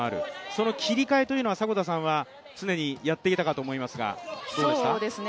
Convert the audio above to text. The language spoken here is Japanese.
その切り替えというのは、迫田さんは常にやっていたかと思いますが、どうですか。